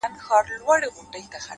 پرمختګ د زړو عادتونو ماتول غواړي